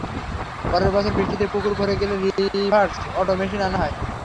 পরের বছর বৃষ্টিতে পুকুর ভরে গেলে রিভার্স অটো মেশিন আনা হয়।